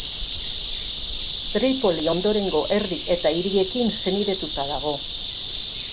Tripoli ondorengo herri eta hiriekin senidetuta dago.